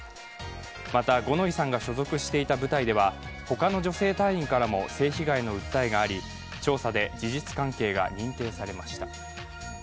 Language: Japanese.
また五ノ井さんが所属していた部隊では他の女性隊員からも性被害の訴えがあり調査で事実関係が認定されました。